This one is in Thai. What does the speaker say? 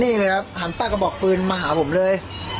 นี่เลยครับหันป้ากระบอกปืนมาหาผมเลย